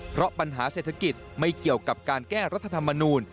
เพราะปัญหาเศรษฐกิจไม่เกี่ยวกับการแก้รัฐธรรมนูล